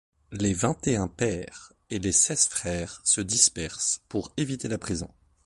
Les vingt-et-un pères et les seize frères se dispersent pour éviter la prison.